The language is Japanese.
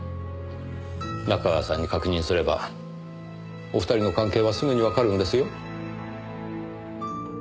仲川さんに確認すればお二人の関係はすぐにわかるんですよ？